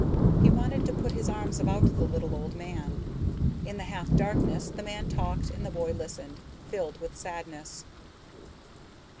He wanted to put his arms about the little old man. In the half darkness the man talked and the boy listened, filled with sadness.